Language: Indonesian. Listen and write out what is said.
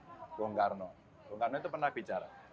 bung karno bung karno itu pernah bicara